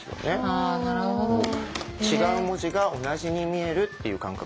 あなるほどね。違う文字が同じに見えるっていう感覚。